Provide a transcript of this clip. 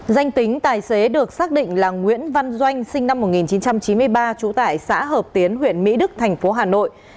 danh tính tài xế được xác định là nguyễn văn doanh sinh năm một nghìn chín trăm chín mươi ba trú tại xã hợp tiến huyện mỹ đức thành phố hà nội